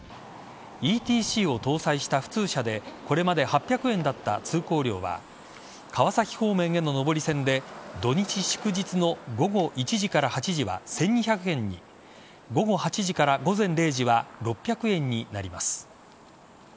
ＥＴＣを搭載した普通車でこれまで８００円だった通行料は川崎方面への上り線で土日祝日の午後１時から８時は１２００円に午後８時から午前０時は６００円になります。